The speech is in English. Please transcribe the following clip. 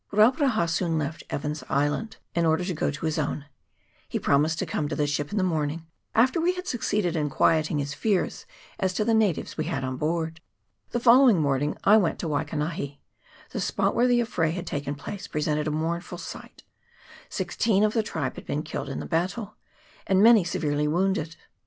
Rauparaha soon left Evans's Island, in order to go to his own : he promised to come to the ship in the morning, after we had succeeded in quieting his fears as to the natives we had on board. The following morning I went to Waikanahi. The spot where the affray had taken place presented a mournful sight: sixteen of the tribe had been killed in the battle, and many severely wounded.